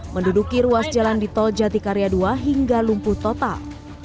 menduduki ruas jalan di tol jatikarya dua hingga lumpuh total